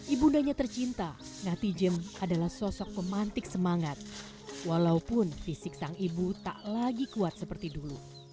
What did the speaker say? ibundanya tercinta ngati jem adalah sosok pemantik semangat walaupun fisik sang ibu tak lagi kuat seperti dulu